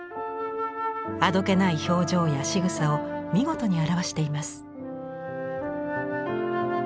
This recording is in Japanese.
あどけない表情やしぐさを見事に表しています。